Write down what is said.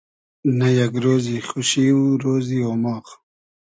نۂ یئگ رۉزی خوشی و رۉزی اۉماغ